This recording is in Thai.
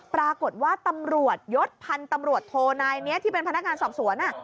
ปรากฏว่าตำรวจยศพันธ์ตำรวจโทนายนี้ที่เป็นพนักงานสอบสวน